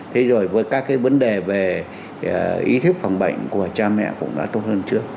thế rồi với các cái vấn đề về ý thức phòng bệnh của cha mẹ cũng đã tốt hơn trước